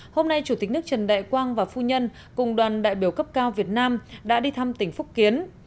hôm nay chủ tịch nước trần đại quang và phu nhân cùng đoàn đại biểu cấp cao việt nam đã đi thăm tỉnh phúc kiến